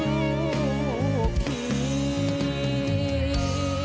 ลูกผี